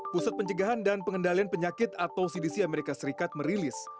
pusat pencegahan dan pengendalian penyakit atau cdc amerika serikat merilis